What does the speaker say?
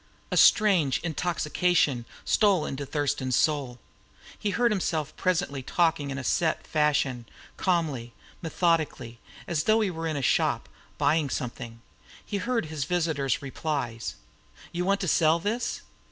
A strange intoxication stole into Thurston's soul. He heard himself presently talking in set fashion, calmly, methodically, as though he were in a shop, buying something. He heard his visitor's replies. "You want to sell this?"